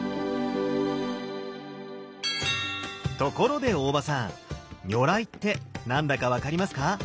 ところで大場さん「如来」って何だか分かりますか？